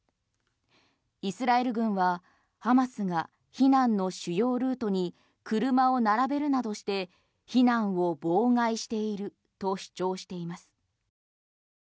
イスラエル軍はハマスが避難の主要ルートに車を並べるなどして避難を妨害していると主張しています。